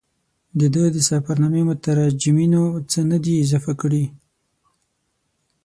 د ده د سفرنامې مترجمینو څه نه دي اضافه کړي.